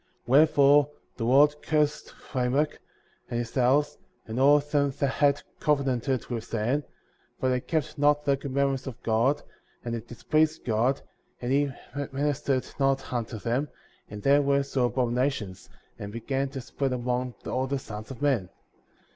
52. Wherefore the Lord cursed Lamech, and his house, and all them that had covenanted with Satan ;^ for they kept not the commandments of God, and it displeased God, and he ministered not unto them, and their works were abominations, and began to spread among all the sons of men.